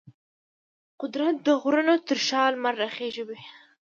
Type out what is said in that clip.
قدرت د غرونو تر شا لمر راخیژوي.